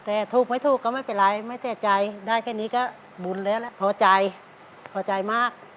แต่ถูกไม่ถูกก็ไม่เป็นไรไม่แน่ใจได้แค่นี้ก็บุญแล้วล่ะพอใจพอใจมาก